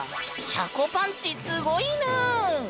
シャコパンチすごいぬん！